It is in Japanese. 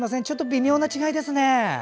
ちょっと微妙な違いですね。